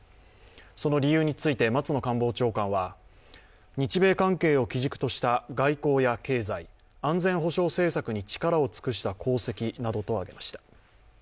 その理由について松野官房長官は、日米関係を基軸とした外交や経済、安全保障政策に力を尽くした功績などを挙げました。